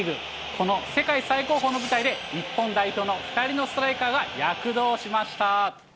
この世界最高峰の舞台で、日本代表の２人のストライカーが躍動しました。